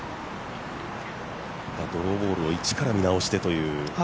ドローボールを一から見直してという。